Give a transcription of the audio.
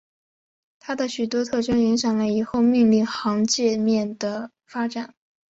它的许多特征影响了以后命令行界面的发展。